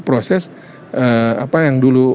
proses apa yang dulu